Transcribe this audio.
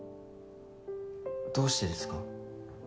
どうしてですか？